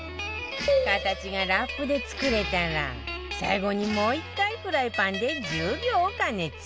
形がラップで作れたら最後にもう１回フライパンで１０秒加熱